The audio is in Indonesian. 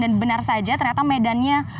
benar saja ternyata medannya